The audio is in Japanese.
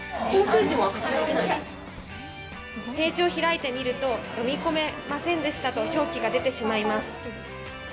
ページを開いてみると、読み込めませんでしたと表記が出てしまいます。